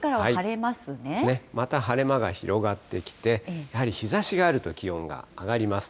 また晴れ間が広がってきて、やはり日ざしがあると気温が上がります。